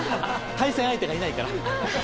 対戦相手がいないから。